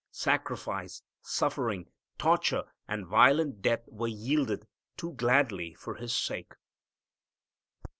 Sacrifice, suffering, torture, and violent death were yielded to gladly for His sake.